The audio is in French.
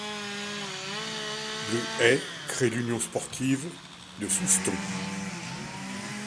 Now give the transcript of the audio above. Le est créé l'Union sportive de Soustons.